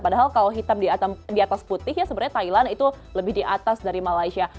padahal kalau hitam di atas putih ya sebenarnya thailand itu lebih di atas dari malaysia